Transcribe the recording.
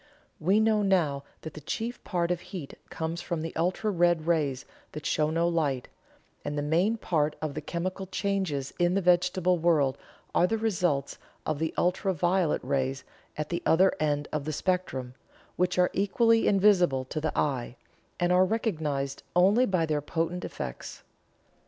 We know now that the chief part of heat comes from the ultra red rays that show no light; and the main part of the chemical changes in the vegetable world are the results of the ultra violet rays at the other end of the spectrum, which are equally invisible to the eye, and are recognized only by their potent effects.